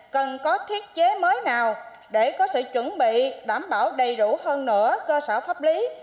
cần có thiết chế mới nào để có sự chuẩn bị đảm bảo đầy đủ hơn nữa cơ sở pháp lý